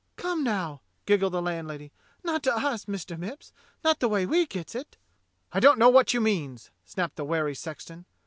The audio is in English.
"Come, now," giggled the landlady, "not to us. Mister Mipps. Not the way we gets it." "I don't know what you means," snapped the wary sexton.